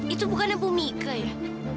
itu bukan ibu mika ya